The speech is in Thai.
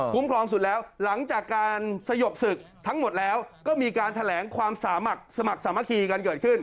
ครองสุดแล้วหลังจากการสยบศึกทั้งหมดแล้วก็มีการแถลงความสามารถสมัครสมัครสามัคคีกันเกิดขึ้น